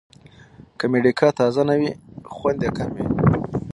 که مډیګا تازه نه وي، خوند یې کم وي.